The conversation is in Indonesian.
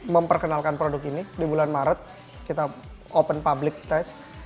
memperkenalkan produk ini di bulan maret kita open public test